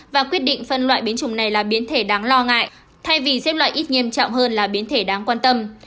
và quyết định phân loại biến trùng này là biến thể đáng lo ngại thay vì xếp loại ít nghiêm trọng hơn là biến thể đáng quan tâm